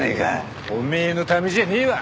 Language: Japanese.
おめえのためじゃねえわ！